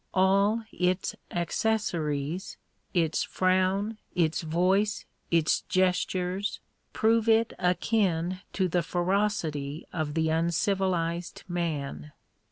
All its accessories — its frown, its voice, its gestures, prove it akin to the ferocity of the uncivilized man.